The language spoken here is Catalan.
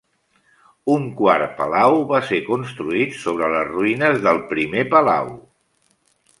Un quart palau va ser construït sobre les ruïnes del primer palau.